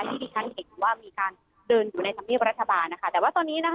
ที่ที่ฉันเห็นว่ามีการเดินอยู่ในธรรมเนียบรัฐบาลนะคะแต่ว่าตอนนี้นะคะ